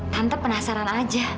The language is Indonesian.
tante penasaran aja